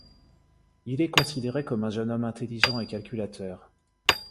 Il est considéré comme un jeune homme intelligent et calculateur.